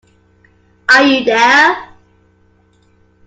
Are you there?